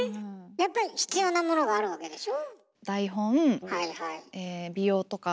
やっぱり必要なものがあるわけでしょ？